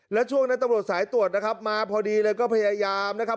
แล้วช่วงนั้นตำรวจสายตรวจนะครับมาพอดีเลยก็พยายามนะครับ